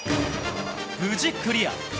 無事クリア。